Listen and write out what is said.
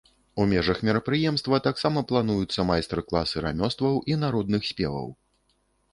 У межах мерапрыемства таксама плануюцца майстар-класы рамёстваў і народных спеваў.